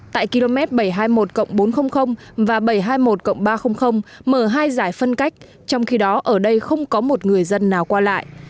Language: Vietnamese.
tại km bảy trăm hai mươi một bốn trăm linh và bảy trăm hai mươi một ba trăm linh mở hai giải phân cách trong khi đó ở đây không có một người dân nào qua lại